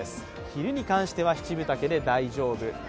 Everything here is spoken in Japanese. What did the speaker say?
昼に関しては七分丈で大丈夫。